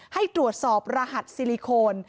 ให้ตรวจสอบรหัสซิลิโคน